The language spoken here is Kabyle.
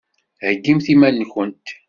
Heggimt iman-nkent.